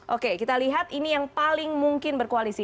oke kita lihat ini yang paling mungkin berkoalisi